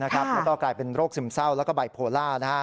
แล้วก็กลายเป็นโรคซึมเศร้าแล้วก็ไบโพล่า